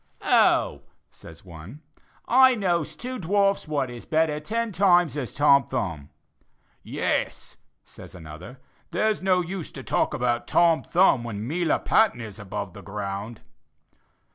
"Oh," says one, "I knows two dwarfs what is better ten times as Tom Thumb." "Yes," says another, "there's no use to talk about Tom Thumb while Melia Patton is above the ground."